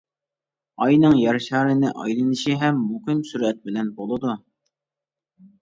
ئاينىڭ يەر شارىنى ئايلىنىشى ھەم مۇقىم سۈرئەت بىلەن بولىدۇ.